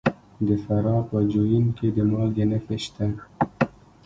د فراه په جوین کې د مالګې نښې شته.